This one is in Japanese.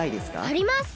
あります！